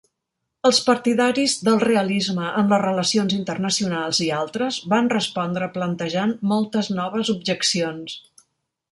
Els partidaris del realisme en les relacions internacionals i altres van respondre plantejant moltes noves objeccions.